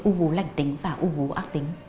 u vú lạnh tính và u vú ác tính